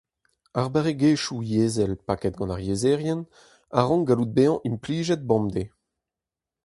Ar barregezhioù yezhel paket gant ar yezherien a rank gallout bezañ implijet bemdez.